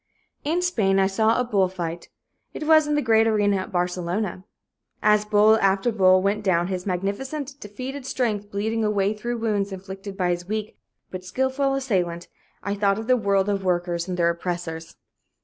In Spain I saw a bull fight. It was in the great arena at Barcelona. As bull after bull went down, his magnificent, defeated strength bleeding away through wounds inflicted by his weak but skillful assailant, I thought of the world of workers and their oppressors.